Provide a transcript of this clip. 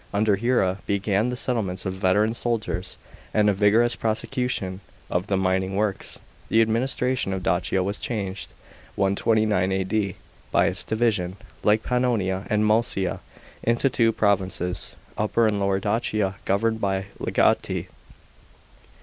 Under hira began the settlements of veteran soldiers, and a vigorous prosecution of the mining works. The administration of Dacia was changed (129 A.D.) by its division, like Pannonia and Moesia, into two provinces, Upper and Lower Dacia, governed by legati.